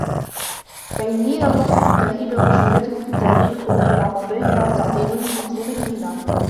فَإِنَّ لِينَ اللَّفْظِ فِي التَّرْهِيبِ وَخُشُونَتُهُ فِي التَّرْغِيبِ خُرُوجٌ عَنْ مَوْضِعِهِمَا وَتَعْطِيلٌ لِلْمَقْصُودِ بِهِمَا